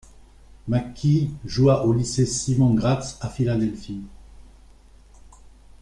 McKie joua au lycée Simon Gratz à Philadelphie.